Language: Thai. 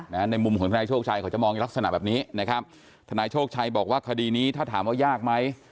ในมุมของทนายโชคชัยเขาจะมองในลักษณะแบบนี้นะครับทนายโชคชัยบอกว่าคดีนี้ถ้าถามว่ายากไหม